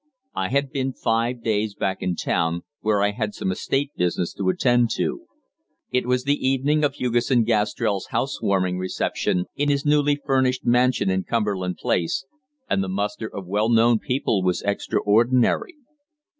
I had been five days back in town, where I had some estate business to attend to. It was the evening of Hugesson Gastrell's house warming reception in his newly furnished mansion in Cumberland Place, and the muster of well known people was extraordinary.